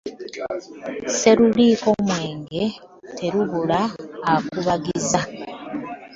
Sseruliko mwenge terubula akubagiza .